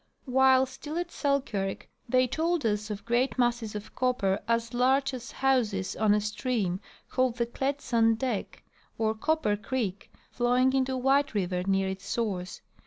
While still at Selkirk they told us of great masses of copper as large as houses on a stream called the Klet san dek, or Copper creek, flowing into White rivei: near its source.